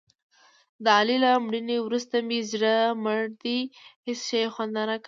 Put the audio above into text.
د علي له مړینې ورسته مې زړه مړ دی. هېڅ شی خوند نه راکوي.